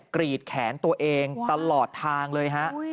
กรีดแขนตัวเองตลอดทางเลยฮะ